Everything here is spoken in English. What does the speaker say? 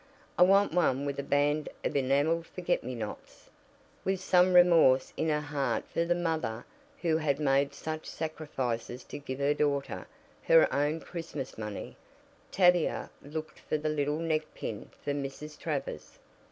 I want one with a band of enameled forget me nots." With some remorse in her heart for the mother who had made such sacrifices to give her daughter "her own Christmas money," Tavila looked for the little neck pin for Mrs. Travers.